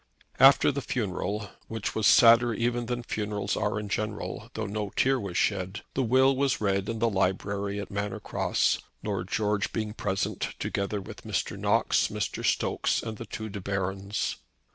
After the funeral, which was sadder even than funerals are in general though no tear was shed, the will was read in the library at Manor Cross, Lord George being present, together with Mr. Knox, Mr. Stokes and the two De Barons.